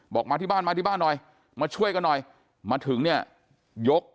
มาที่บ้านมาที่บ้านหน่อยมาช่วยกันหน่อยมาถึงเนี่ยยก